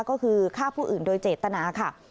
ก็คือฆ่าผู้อื่นโดยเจตนาค่ะ